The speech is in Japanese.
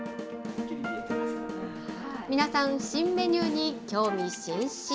皆さん、新メニューに興味津々。